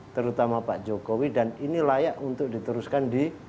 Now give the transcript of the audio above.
terutama pak jokowi dan ini layak untuk diteruskan di dua ribu sembilan belas